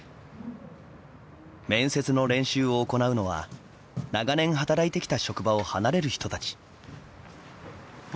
面接の練習を行うのは長年働いてきた職場を離れる人たち。